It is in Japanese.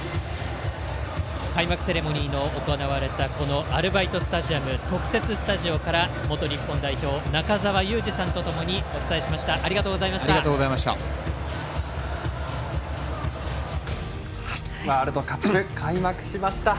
開幕セレモニーが行われたこのアルバイトスタジアム特設スタジオから元日本代表、中澤佑二さんと共にお伝えいたしました。